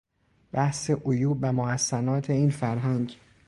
بحث عیوب و محسنات این فرهنگ